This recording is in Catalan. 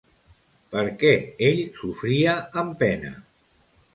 Per què ell sofria amb pena?